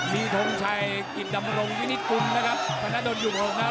มีทรงชัยกิตดำลงวินิตกุลนะครับภรรณะโดดอยู่ห่วงหน้า